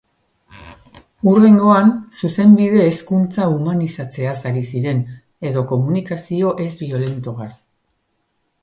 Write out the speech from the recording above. Hurrengoan, Zuzenbide-hezkuntza humanizatzeaz ari ziren, edo komunikazio ez-biolentoaz...